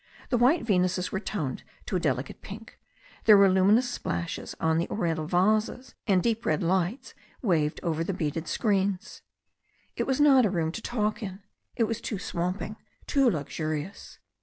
The white Venuses were toned to a delicate pink, there were luminous splashes on the Ori ental vases, and deep red lights waved over the beaded screens. It was not a room to talk in. It was too swamping, too luxurious.